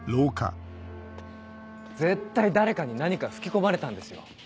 絶対誰かに何か吹き込まれたんですよ。